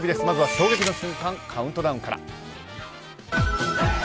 まずは衝撃の瞬間カウントダウンから。